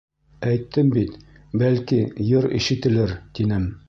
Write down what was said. — Әйттем бит, бәлки, йыр ишетелер, тинем.